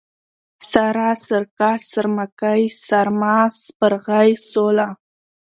سارا ، سارکه ، سارمکۍ ، سارمه ، سپرغۍ ، سوله